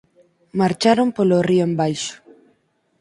Marcharon polo río embaixo.